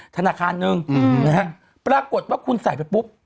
ธนาคารหนึ่งนะฮะปรากฏว่าคุณใส่ไปปุ๊บ